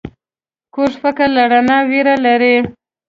کوږ فکر له رڼا ویره لري